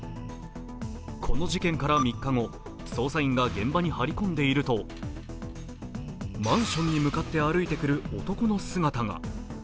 この事件から３日後、捜査員が現場に張り込んでいるとマンションに向かって歩いてくる男の姿が。